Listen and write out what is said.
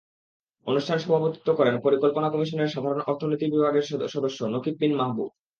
অনুষ্ঠানে সভাপতিত্ব করেন পরিকল্পনা কমিশনের সাধারণ অর্থনীতি বিভাগের সদস্য নকিব বিন মাহবুব।